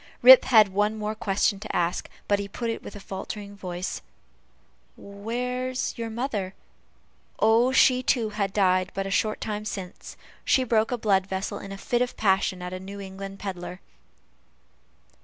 Rip had but one more question to ask; but he put it with a faltering voice: "Where's your mother?" Oh, she too had died but a short time since; she broke a blood vessel in a fit of passion at a New England pedler.